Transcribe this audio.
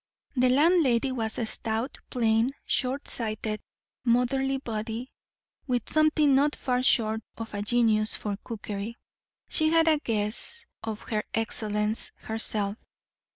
The landlady was a stout, plain, short sighted, motherly body, with something not far short of a genius for cookery. She had a guess of her excellence herself.